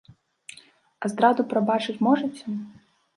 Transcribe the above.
А здраду прабачыць можаце?